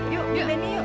yuk benny yuk